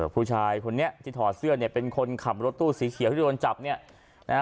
ผู้ชายคนนี้ที่ถอดเสื้อเนี่ยเป็นคนขับรถตู้สีเขียวที่โดนจับเนี่ยนะฮะ